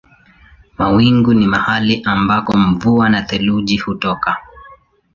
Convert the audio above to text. Mawingu ni mahali ambako mvua na theluji hutoka.